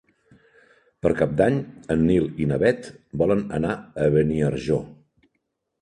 Per Cap d'Any en Nil i na Bet volen anar a Beniarjó.